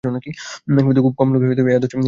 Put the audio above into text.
কিন্তু খুব কম লোকেই এই আদর্শে পৌঁছিয়া থাকে।